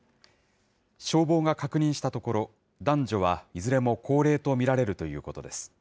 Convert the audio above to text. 消防が確認したところ、男女はいずれも高齢と見られるということです。